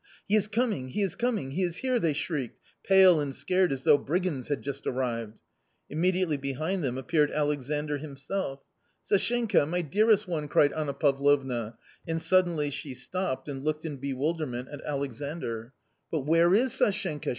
" He is coming ! he is coming ! he is here !" they shrieked, pale and scared as though brigands had just arrived. Immediately behind them appeared Alexandr himself. "Sashenka ! my dearest one !" cried Anna Pavlovna, and sud denly she stopped and looked in bewilderment at Alexandr. Q 242 A COMMON STORY " But where is Sashenka ?